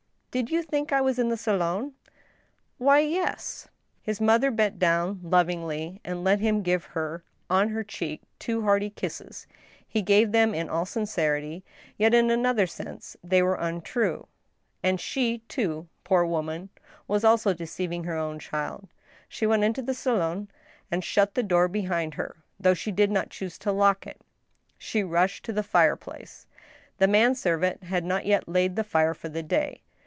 " Did you think I was in the salon t " "Why, yes." 8 114 THE STEEL HAMMER, His mother bent down lovingly, and let him give her on her cheeks two hearty kisses; he gave them in all sincerity, yet in another sense they were untrue. And she, too, poor woman, was also deceiving her own child. She went into the salon and shut the door behind her, though she did not choose to lock it. She rushed to the fireplace. The man servant had not yet laid the fire for the day.